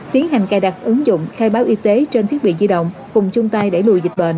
tiến hành cài đặt ứng dụng khai báo y tế trên thiết bị di động cùng chung tay đẩy lùi dịch bệnh